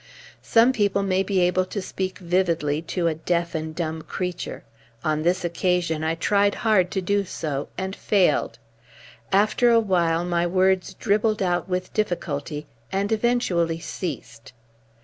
Some people may be able to speak vividly to a deaf and dumb creature. On this occasion I tried hard to do so, and failed. After a while my words dribbled out with difficulty and eventually ceased.